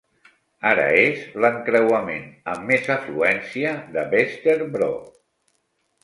Ara és l'encreuament amb més afluència de Vesterbro.